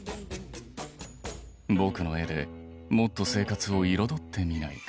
僕の絵でもっと生活を彩ってみないか。